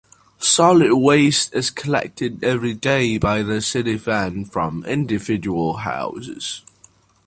Solid waste is collected every day by the city van from individual houses.